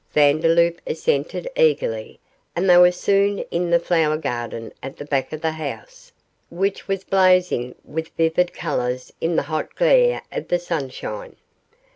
Vandeloup assented eagerly, and they were soon in the flower garden at the back of the house, which was blazing with vivid colours, in the hot glare of the sunshine.